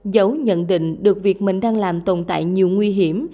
giấu nhận định được việc mình đang làm tồn tại nhiều nguy hiểm